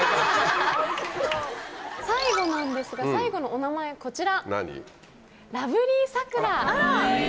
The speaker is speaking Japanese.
最後なんですが最後のお名前こちら。